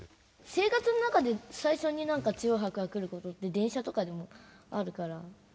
生活の中で最初に強い拍が来ることって電車とかでもあるから結構。